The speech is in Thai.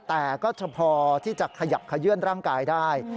แต่ก็จะพอที่จะขยับขยื่นร่างกายได้